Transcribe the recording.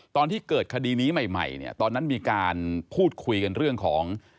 ตอนที่เกิดคดีนี้ใหม่เนี่ยตอนนั้นมีการพูดคุยกันเรื่องของ